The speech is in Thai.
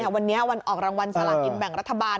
วันนี้วันออกรางวัลสลากินแบ่งรัฐบาล